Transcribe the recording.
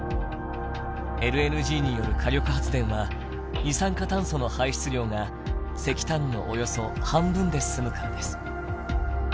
ＬＮＧによる火力発電は二酸化炭素の排出量が石炭のおよそ半分で済むからです。